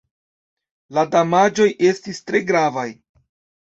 La damaĝoj estis tre gravaj.